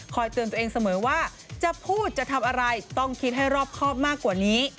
เตือนตัวเองเสมอว่าจะพูดจะทำอะไรต้องคิดให้รอบครอบมากกว่านี้